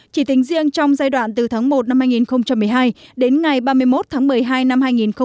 chỉ tính riêng trong giai đoạn từ tháng một năm hai nghìn một mươi hai đến ngày ba mươi một tháng một mươi hai năm hai nghìn một mươi tám